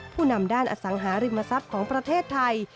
ผู้นำด้านอสังหาริมทรัพย์ของประเทศไทย